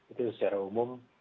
itu secara umum